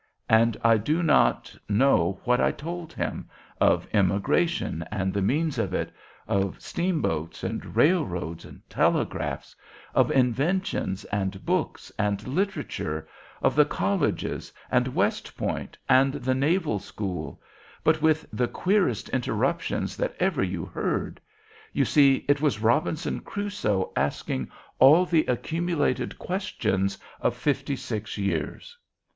And I do not now know what I told him, of emigration, and the means of it, of steamboats, and railroads, and telegraphs, of inventions, and books, and literature, of the colleges, and West Point, and the Naval School, but with the queerest interruptions that ever you heard. You see it was Robinson Crusoe asking all the accumulated questions of fifty six years!